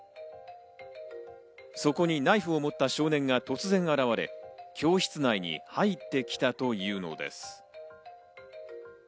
そこにナイフを持った少年が突然現れ、教室内に入ってきたというのです。